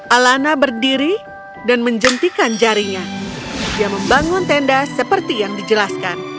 alana berdiri dan menjentikan jarinya dia membangun tenda seperti yang dijelaskan